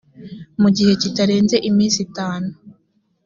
mu gihe kitarenze iminsi itanu